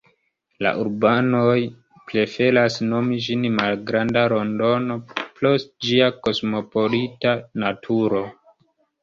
La urbanoj preferas nomi ĝin malgranda Londono pro ĝia kosmopolita naturo.